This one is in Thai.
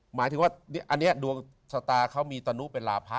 หมายถึงว่าอันนี้ดวงชะตาเขามีตนุเป็นลาพะ